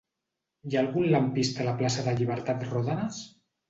Hi ha algun lampista a la plaça de Llibertat Ròdenas?